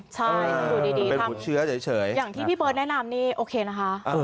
ใช่อยู่ดีทำเชื้อเฉยอย่างที่พี่เบิร์ตแนะนำนี่โอเคนะคะ